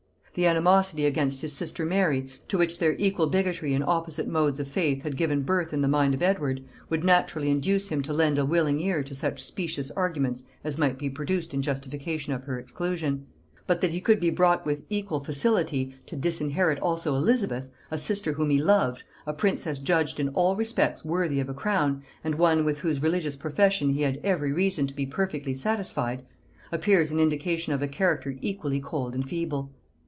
The animosity against his sister Mary, to which their equal bigotry in opposite modes of faith had given birth in the mind of Edward, would naturally induce him to lend a willing ear to such specious arguments as might be produced in justification of her exclusion: but that he could be brought with equal facility to disinherit also Elizabeth, a sister whom he loved, a princess judged in all respects worthy of a crown, and one with whose religious profession he had every reason to be perfectly satisfied, appears an indication of a character equally cold and feeble.